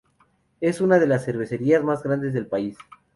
Es una de las cervecerías más grandes del país.